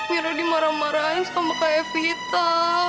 mira dimarah marahin sama kak evita